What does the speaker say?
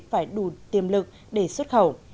phải đủ tiềm lực để xuất khẩu